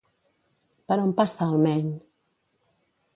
Per on passa el Maine?